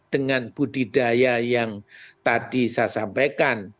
dengan budidaya yang tadi saya sampaikan